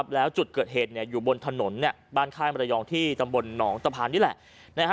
แล้วจุดเกิดเหตุอยู่บนถนนบ้านค่ายมรยองที่ตำบลหนองตะพานนี่แหละ